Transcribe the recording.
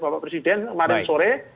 bapak presiden kemarin sore